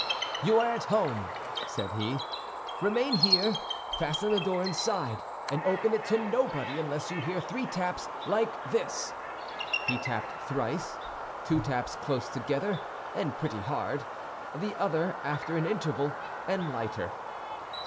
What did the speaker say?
"You are at home," said he. "Remain here, fasten the door inside, and open it to nobody unless you hear three taps like this;" and he tapped thrice—two taps close together and pretty hard, the other after an interval, and lighter.